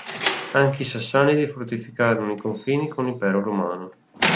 Anche i Sasanidi fortificarono i confini con l'Impero romano.